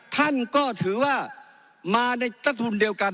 ท่านก็ถือว่ามาในทักทุนเดียวกัน